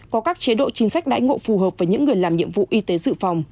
có các chế độ chính sách đãi ngộ phù hợp với những người làm nhiệm vụ y tế dự phòng